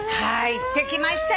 行ってきましたよ。